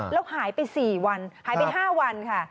แล้วหายไป๔วันหายไป๕วันค่ะ